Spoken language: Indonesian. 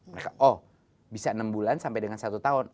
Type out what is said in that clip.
mereka oh bisa enam bulan sampai dengan satu tahun